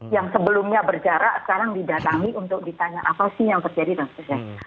yang sebelumnya berjarak sekarang didatangi untuk ditanya apa sih yang terjadi dan sebagainya